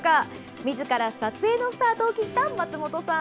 みずから撮影のスタートを切った松本さん。